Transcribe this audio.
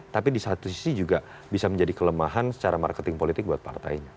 tapi di satu sisi juga bisa menjadi kelemahan secara marketing politik buat partainya